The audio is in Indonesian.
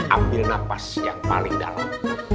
ambil nafas yang paling dalam